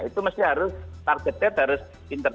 itu harus targetnya harus inter